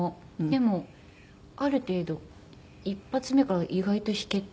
でもある程度一発目から意外と弾けて。